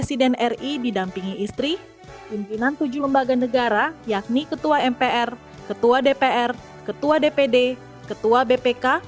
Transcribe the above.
presiden ri didampingi istri pimpinan tujuh lembaga negara yakni ketua mpr ketua dpr ketua dpd ketua bpk